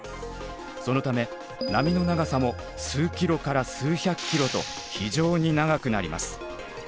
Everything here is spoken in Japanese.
そのため波の長さも数ｋｍから数百ｋｍと非常に長くなります。